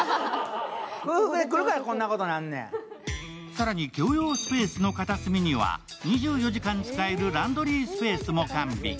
更に、共用スペースの片隅には２４時間使えるランドリースペースも完備。